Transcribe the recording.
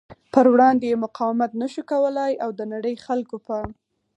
پر وړاندې مقاومت نشو کولی او د نړۍ خلکو په